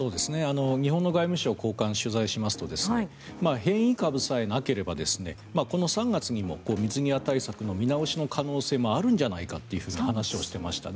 日本の外務省高官を取材しますと変異株さえなければこの３月にも水際対策の見直しの可能性もあるんじゃないかと話をしてましたね。